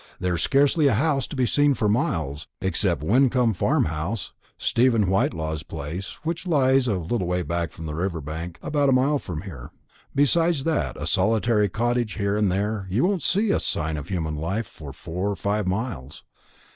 There's scarcely a house to be seen for miles, except Wyncomb Farmhouse, Stephen Whitelaw's place, which lies a little way back from the river bank, about a mile from here; besides that and a solitary cottage here and there, you won't see a sign of human life for four or five miles.